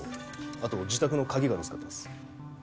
あと自宅の鍵が見つかってます。